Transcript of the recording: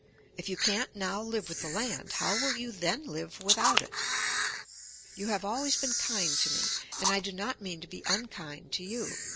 If you can't now live with the land, how will you then live without it? You have always been kind to me, and I do not mean to be unkind to you.